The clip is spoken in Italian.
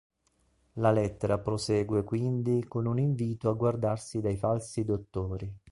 La lettera prosegue quindi con un invito a guardarsi dai falsi dottori.